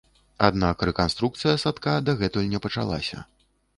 Аднак рэканструкцыя садка дагэтуль не пачалася.